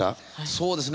そうですね